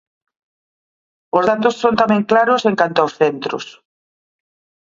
Os datos son tamén claros en canto aos centros.